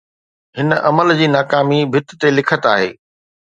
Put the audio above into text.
هن عمل جي ناڪامي ڀت تي لکت آهي.